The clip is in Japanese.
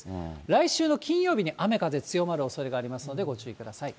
来週の金曜日に雨、風、強まるおそれがありますので、ご注意ください。